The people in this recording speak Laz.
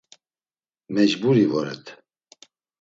Mecburi voret.